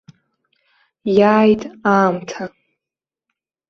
Иааит аамҭа.